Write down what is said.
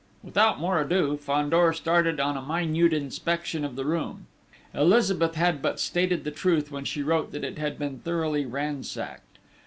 Without more ado, Fandor started on a minute inspection of the room. Elizabeth had but stated the truth when she wrote that it had been thoroughly ransacked.